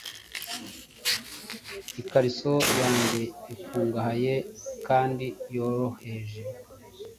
Ikariso yanjye ikungahaye kandi yoroheje